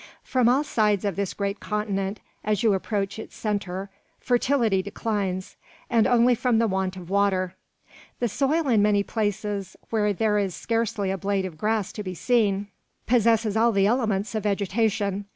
From all sides of this great continent, as you approach its centre, fertility declines, and only from the want of water. The soil in many places where there is scarcely a blade of grass to be seen, possesses all the elements of vegetation.